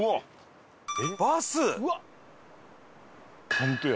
ホントや。